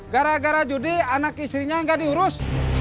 gara gara judi anak istrinya nggak diurus